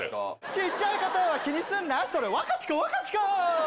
「ちっちゃいことは気にすんなそれワカチコワカチコ」